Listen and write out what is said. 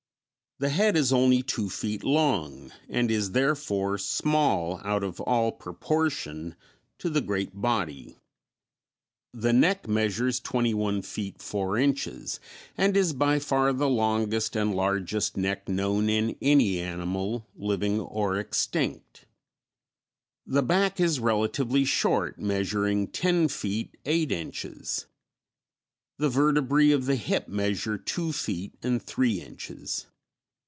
The head is only two feet long, and is, therefore, small out of all proportion to the great body. The neck measures twenty one feet four inches, and is by far the longest and largest neck known in any animal living or extinct. The back is relatively very short, measuring ten feet eight inches. The vertebræ of the hip measure two feet and three inches.